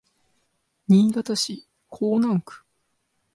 新潟市江南区